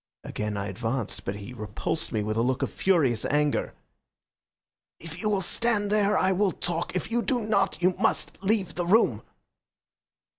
Again I advanced, but he repulsed me with a look of furious anger. "If you will stand there I will talk. If you do not you must leave the room."